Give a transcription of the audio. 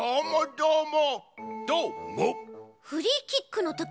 どーも。